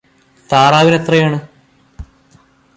താറാവിനെത്രയാണ്?